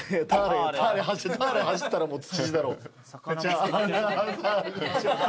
ターレ走ったらもう築地だろ。